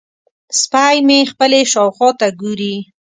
سپی مې خپلې شاوخوا ته ګوري.